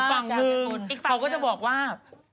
ฝั่งหนึ่งเขาก็จะบอกว่า